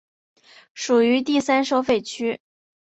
属于第三收费区。